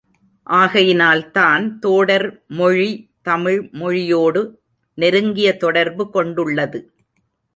ஆகையினால் தான் தோடர் மொழி தமிழ் மொழியோடு நெருங்கிய தொடர்பு கொண்டுள்ளது.